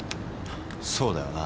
そうだよな。